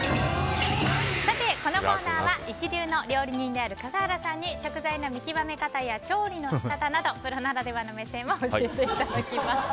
このコーナーは一流の料理人である笠原さんに食材の見極め方や調理の仕方などプロならではの目線で教えていただきます。